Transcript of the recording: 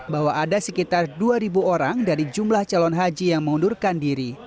bahwa ada sekitar dua orang dari jumlah calon haji yang mengundurkan diri